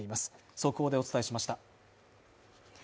速報でお伝えしました。